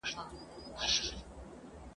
خو له هغې سره ژوند نه سم تېرولای